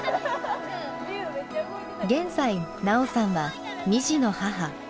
現在奈緒さんは２児の母。